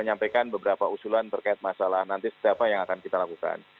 menyampaikan beberapa usulan terkait masalah nanti seperti apa yang akan kita lakukan